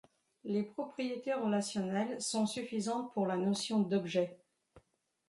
Les propriétés relationnelles sont suffisantes pour la notion d’objet.